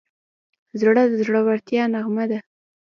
زړه د زړورتیا نغمه ده.